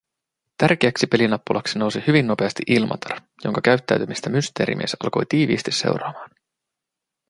Tärkeäksi pelinappulaksi nousi hyvin nopeasti Ilmatar, jonka käyttäytymistä Mysteerimies alkoi tiiviisti seuraamaan.